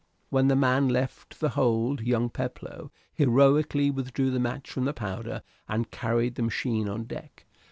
When the man left the hold young Peploe heroically withdrew the match from the powder and carried the machine on deck.